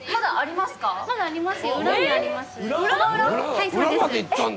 はいそうです。